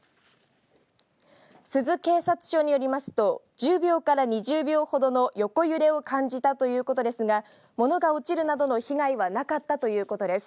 珠洲警察署によりますと１０秒から２０秒ほどの横揺れを感じたということですが物が落ちるなどの被害はなかったということです。